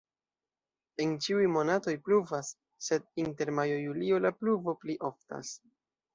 En ĉiuj monatoj pluvas, sed inter majo-julio la pluvo pli oftas.